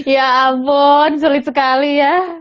ya ampun sulit sekali ya